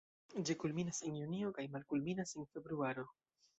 Ĝi kulminas en junio kaj malkulminas en februaro.